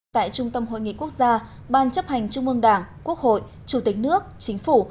tại trung tâm hội nghị quốc gia ban chấp hành trung ương đảng quốc hội chủ tịch nước chính phủ